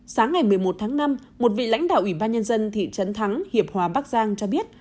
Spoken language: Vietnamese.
sáng ngày một mươi một tháng năm một vị lãnh đạo ủy ban nhân dân thị trấn thắng hiệp hòa bắc giang cho biết